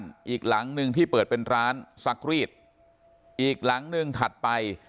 กับบ้านอีกหลังนึงที่เปิดเป็นร้านซักรีดอีกหลังนึงถัดไป